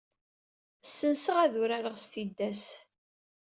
Essn-eɣ ad urar-eɣ s tiddas.